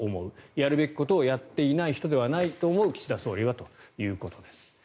やるべきことをやっていない人ではないと思う岸田総理はということです。